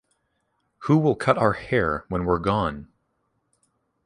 Who Will Cut Our Hair When We're Gone?